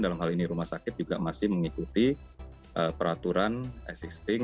dalam hal ini rumah sakit juga masih mengikuti peraturan existing